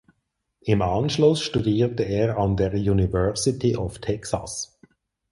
Im Anschluss studierte er an der University of Texas.